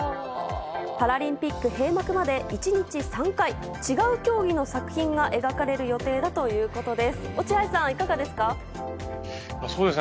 パラリンピック閉幕まで１日３回違う競技の作品が描かれる予定だということです。